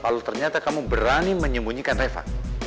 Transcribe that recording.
kalau ternyata kamu berani menyembunyikan reva